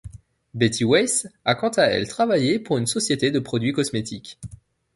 Betty Weiss a quant à elle travaillé pour une société de produits cosmétiques.